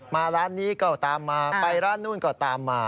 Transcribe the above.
ร้านนี้ก็ตามมาไปร้านนู้นก็ตามมา